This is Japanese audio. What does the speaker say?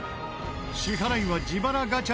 支払いは自腹ガチャで決定！